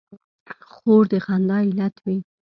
خور د خندا علت وي.